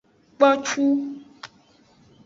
Kposhu.